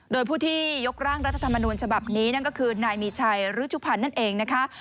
โดยผู้ที่ยกร่างรัฐธรรมนูญฉบับนี้นั่นก็คือนายมีชัยฤชุพันธ์นั่นเองนะคะ